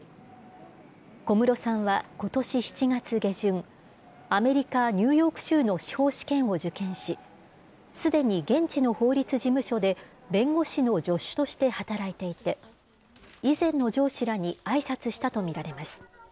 小室さんはことし７月下旬、アメリカ・ニューヨーク州の司法試験を受験し、すでに現地の法律事務所で弁護士の助手として働いていて、以前の上司らにあいさつしたと見られます。